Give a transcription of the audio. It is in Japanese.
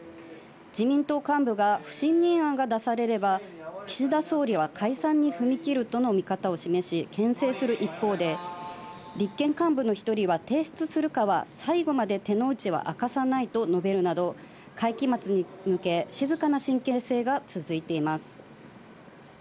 自民党幹部が不信任案が出されれば、岸田総理は解散に踏み切るとの見方を示し、けん制する一方で、立憲幹部の１人は提出するかは最後まで手の内は明かさないと述べるなど、会期末に向け、静かな神経戦が続いています。